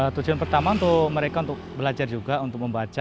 tujuan pertama untuk mereka untuk belajar juga untuk membaca